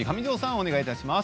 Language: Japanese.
お願いします。